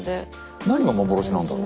何が幻なんだろう？